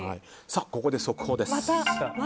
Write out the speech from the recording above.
ここで速報です。